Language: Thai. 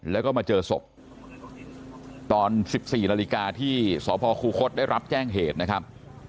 แล้วก็มาเจอศพตอน๑๔นาฬิกาที่สพคูคศได้รับแจ้งเหตุนะครับ